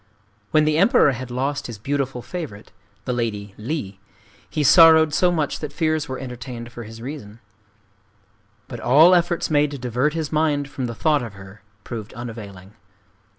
When the Emperor had lost his beautiful favorite, the Lady Li, he sorrowed so much that fears were entertained for his reason. But all efforts made to divert his mind from the thought of her proved unavailing.